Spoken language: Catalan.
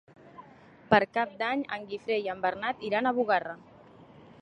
Per Cap d'Any en Guifré i en Bernat iran a Bugarra.